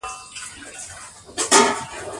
دوی په فونېم کې توپیر لري.